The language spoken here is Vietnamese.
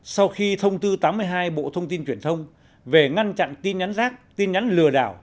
sau khi thông tư tám mươi hai bộ thông tin truyền thông về ngăn chặn tin nhắn rác tin nhắn lừa đảo